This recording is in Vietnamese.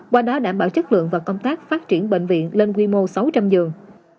qua đó đảm bảo chất lượng và công tác phát triển bệnh viện lên quy mô sáu trăm linh giường